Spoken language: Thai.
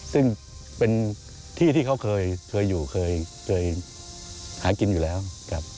ซึ่งเป็นที่ที่เขาเคยอยู่เคยหากินอยู่แล้วครับ